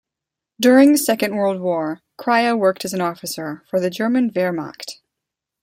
During the Second World War, Kryha worked as an officer for the German Wehrmacht.